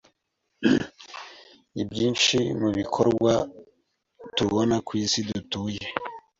Ibyinshi mubikorwa tubona kwisi dutuye